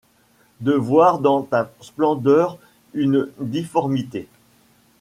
De voir dans ta splendeur une difformité.